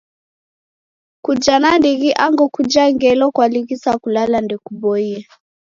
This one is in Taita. Kuja nandighi angu kuja ngelo kwalighisa kulala ndekuboie.